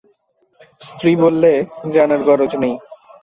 স্ত্রী বললে, জানার গরজ নেই।